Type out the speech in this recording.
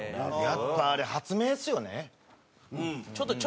やっぱあれ発明ですよね。